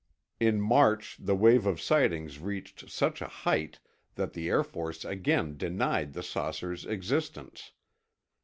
In March, the wave of sightings reached such a height that the Air Force again denied the saucers' existence.